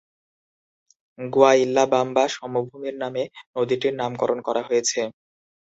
গুয়াইল্লাবাম্বা সমভূমির নামে নদীটির নামকরণ করা হয়েছে।